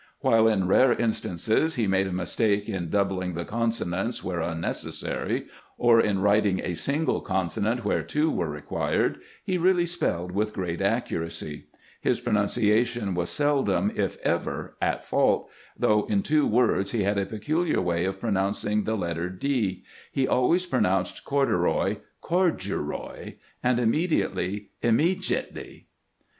"While in rare instances he made a mistake in doubling the consonants where unneces sary, or in writing a single consonant where two were required, he really spelled with great accuracy. His GBANT DEVOTES ATTENTION TO SHEEMAN 243 pronunciation was seldom, if ever, at fault, though in two words he had a peculiar way of pronouncing the letter (^; he always pronounced corduroy "corjuroy," and immediately "immejetly."